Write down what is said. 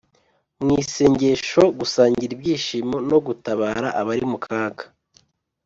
mu isengesho, gusangira ibyishimo no gutabara abari mu kaga